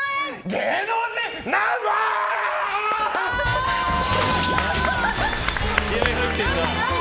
芸能人ナンバーズ！